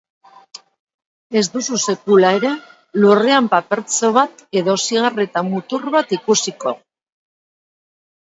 Ez duzu sekula ere lurrean papertxo bat edo zigarreta-mutur bat ikusiko.